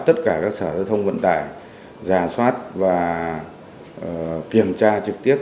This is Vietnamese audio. tất cả các sở giao thông vận tải giả soát và kiểm tra trực tiếp